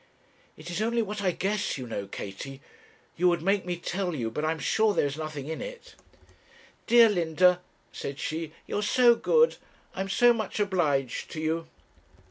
'It is only what I guess, you know, Katie you would make me tell you, but I am sure there is nothing in it.' 'Dear Linda,' said she, 'you are so good; I am so much obliged to you.'